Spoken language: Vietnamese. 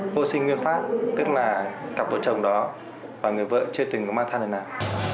vô sinh nguyên pháp tức là cặp vợ chồng đó và người vợ chưa từng có mang thang lần nào